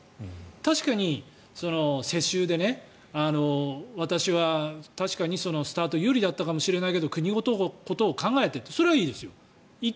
確かに世襲で私は確かにスタートは有利だったかもしれないけど国のことを考えてってそれはいいですよ。